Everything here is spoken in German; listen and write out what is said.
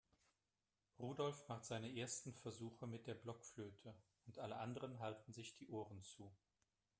Rudolf macht seine ersten Versuche mit der Blockflöte und alle anderen halten sich die Ohren zu.